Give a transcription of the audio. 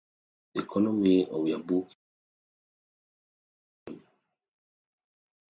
The economy of Yabuki is primarily agricultural.